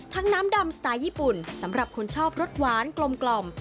น้ำดำสไตล์ญี่ปุ่นสำหรับคนชอบรสหวานกลม